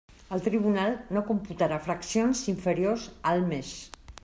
El tribunal no computarà fraccions inferiors al mes.